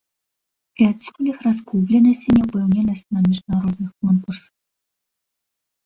І адсюль іх разгубленасць і няўпэўненасць на міжнародных конкурсах.